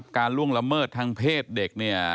การล่วงละเมิดทางเพศเด็ก